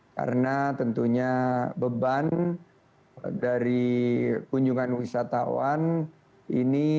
karena tentunya beban dari kunjungan wisatawan ini